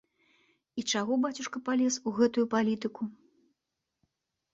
І чаго бацюшка палез у гэтую палітыку?